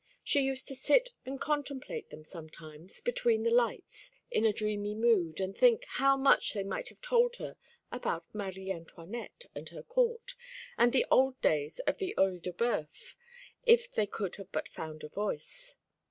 She used to sit and contemplate them sometimes, between the lights, in a dreamy mood, and think how much they might have told her about Marie Antoinette and her court, and the old days of the Oeil de Boeuf, if they could but have found a voice.